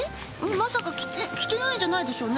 まさか着てないんじゃないでしょうね？